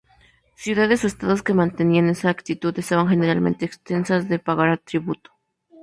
Ciudades o estados que mantenían esa actitud estaban, generalmente, exentas de pagar tributo.